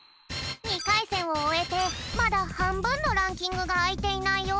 ２かいせんをおえてまだはんぶんのランキングがあいていないよ。